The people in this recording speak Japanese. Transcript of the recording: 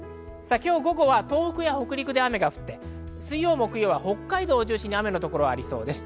今日午後は東北や北陸で雨が降って、水曜木曜は北海道を中心に雨の所がありそうです。